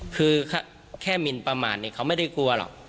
คือแค่มินประมาทเนี่ยเขาไม่ได้กลัวหรอก